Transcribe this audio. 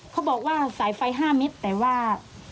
เขาบอกว่าสายไฟ๕มิตรแต่ว่า